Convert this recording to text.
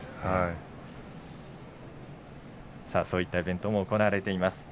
そういったイベントも行われています。